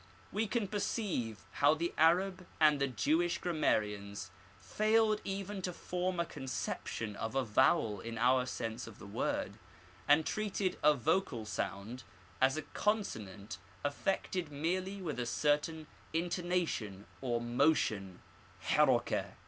We can perceive how the Arab iwid the Jewish grammarians failed even to form a conception of a vowel in our sense of the word, and treated a vocal sound as a consonant affected merely with a certain intonation or motion , iSji, iTJhin.